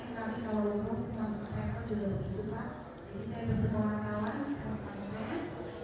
jadi saya bertemu orang orang